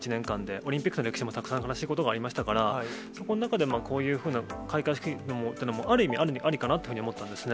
オリンピックの歴史も、たくさん悲しいことがありましたから、そこので、こういう開会式もある意味、ありかなというふうに思ったんですね。